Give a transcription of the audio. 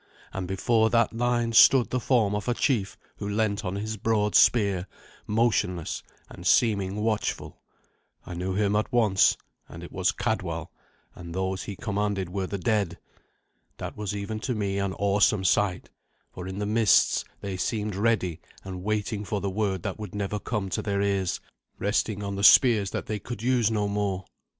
And before that line stood the form of a chief who leant on his broad spear, motionless and seeming watchful. I knew him at once, and it was Cadwal, and those he commanded were the dead. That was even to me an awesome sight, for in the mists they seemed ready and waiting for the word that would never come to their ears, resting on the spears that they could use no more.